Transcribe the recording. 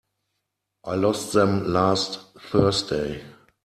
I lost them last Thursday.